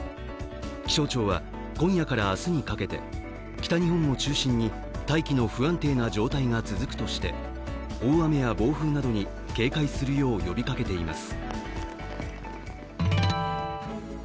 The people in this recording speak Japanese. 気象庁は今夜から明日にかけて北日本を中心に大気の不安定な状態が続くとして大雨や暴風などに警戒するよう呼びかけています。